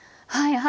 はい。